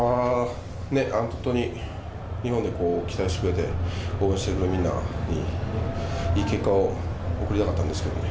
本当に、日本で期待してくれて、応援してくれるみんなに、いい結果を送りたかったんですけれども、